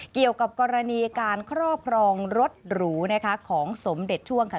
เกี่ยวกับกรณีการครอบครองรถหรูนะคะของสมเด็จช่วงค่ะ